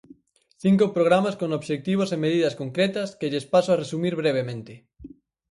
Cinco programas con obxectivos e medidas concretas que lles paso a resumir brevemente.